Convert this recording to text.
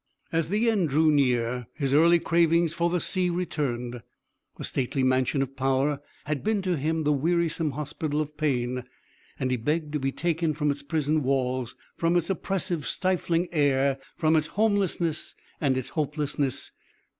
"As the end drew near, his early cravings for the sea returned. The stately mansion of power had been to him the wearisome hospital of pain, and he begged to be taken from its prison walls, from its oppressive, stifling air, from its homelessness and its hopelessness.